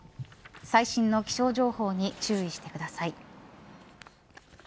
最新の気象情報に注意してください。